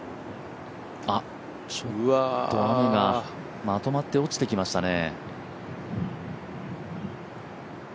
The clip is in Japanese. ちょっと雨がまとまって落ちてきましたね。